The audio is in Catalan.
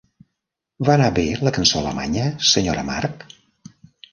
Va anar bé, la cançó alemanya, senyora March?